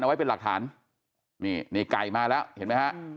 ไว้เป็นหลักฐานนี่นี่ไก่มาแล้วเห็นไหมฮะ